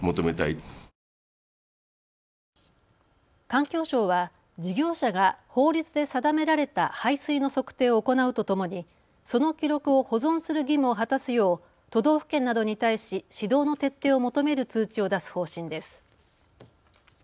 環境省は事業者が法律で定められた排水の測定を行うとともに、その記録を保存する義務を果たすよう都道府県などに対し指導の徹底を求める通知を出す方針です。